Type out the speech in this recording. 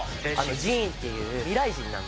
ジーンっていう未来人なんですけど。